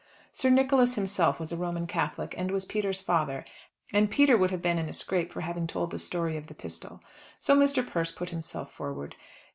Sir Nicholas himself was a Roman Catholic, and was Peter's father, and Peter would have been in a scrape for having told the story of the pistol. So Mr. Persse put himself forward.